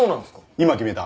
今決めた。